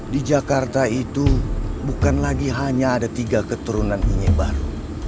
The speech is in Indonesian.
di jakarta itu bukan lagi hanya ada tiga keturunan ini yang baru